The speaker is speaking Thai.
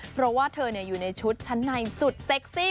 เพราะว่าเธออยู่ในชุดชั้นในสุดเซ็กซี่